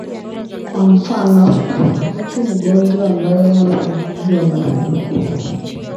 Kwa mfano, mtu mgonjwa ambaye hana ujuzi wa matibabu.